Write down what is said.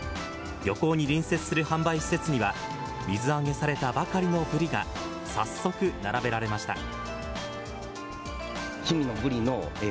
漁港に隣接する販売施設には、水揚げされたばかりのブリが早速並べられました。